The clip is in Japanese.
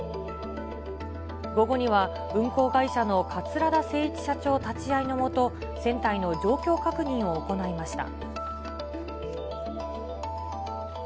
午後には運航会社の桂田精一社長立ち会いの下、船体の状況確認を行いました。